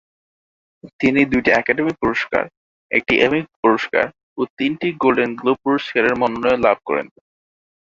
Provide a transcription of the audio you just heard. তিনি দুটি একাডেমি পুরস্কার, একটি এমি পুরস্কার ও তিনটি গোল্ডেন গ্লোব পুরস্কারের মনোনয়ন লাভ করেন।